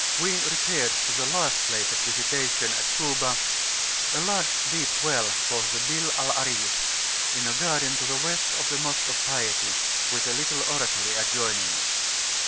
we repaired to the last place of visitation at Kuba a large deep well called the Bir al Aris, in a garden to the West of the Mosque of Piety, with a little oratory adjoining it.